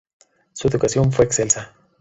Su educación fue excelsa.